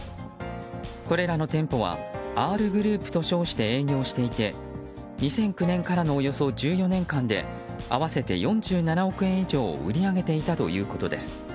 これらの店舗はＲグループと称して営業していて２００９年からのおよそ１４年間で合わせて４７億円以上を売り上げていたということです。